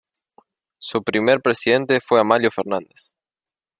Su primer presidente fue Amalio Fernández.